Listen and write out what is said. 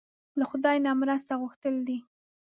له خدای نه مرسته غوښتل دي.